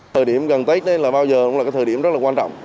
thời điểm gần tết đây là bao giờ cũng là cái thời điểm rất là quan trọng